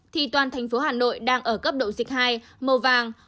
thì toàn thành phố hà nội đang ở cấp độ dịch hai màu vàng